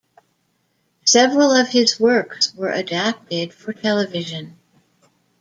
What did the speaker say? Several of his works were adapted for television.